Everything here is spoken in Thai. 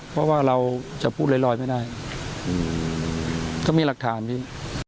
เพราะว่าเราจะพูดลอยไม่ได้ก็มีหลักฐานอยู่